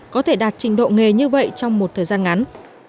có thể đạt trình độ nghề như vậy trong một thời gian ngắn